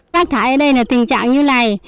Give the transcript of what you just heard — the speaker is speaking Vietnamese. rác thái ở đây là tình trạng như này